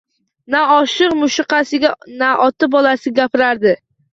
Na oshiq ma’shuqasiga, na ota bolasiga gapirardi.